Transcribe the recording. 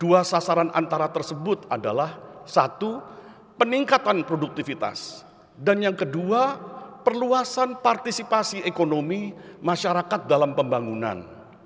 dua sasaran antara tersebut adalah satu peningkatan produktivitas dan yang kedua perluasan partisipasi ekonomi masyarakat dalam pembangunan